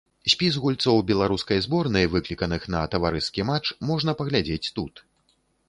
Спіс гульцоў беларускай зборнай, выкліканых на таварыскі матч, можна паглядзець тут.